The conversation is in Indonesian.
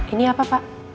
ini apa pak